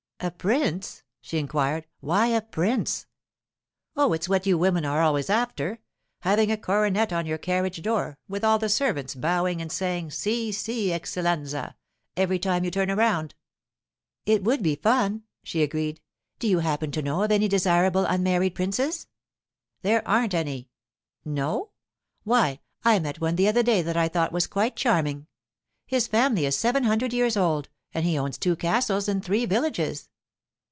'A prince?' she inquired. 'Why a prince?' 'Oh, it's what you women are always after—having a coronet on your carriage door, with all the servants bowing and saying, "Si, si, eccelenza," every time you turn around.' 'It would be fun,' she agreed. 'Do you happen to know of any desirable unmarried princes?' 'There aren't any.' 'No? Why, I met one the other day that I thought quite charming. His family is seven hundred years old, and he owns two castles and three villages.